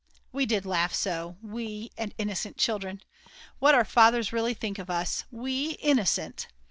We did laugh so, we and innocent children!!! What our fathers really think of us; we innocent!!!